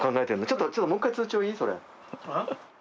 ちょっともう一回通帳いい？